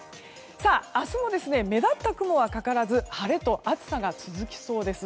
明日も目立った雲はかからず晴れと暑さが続きそうです。